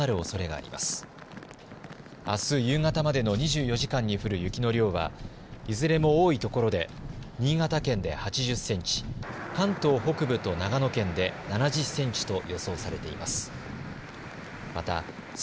あす夕方までの２４時間に降る雪の量はいずれも多いところで新潟県で８０センチ、関東北部と長野県で７０センチと予想されています。